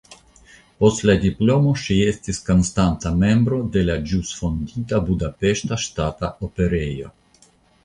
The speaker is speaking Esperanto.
Post la diplomo ŝi estis konstanta membro de la ĵus fondita Budapeŝta Ŝtata Operejo.